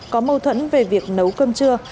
có mâu thuẫn về việc nấu cơm trưa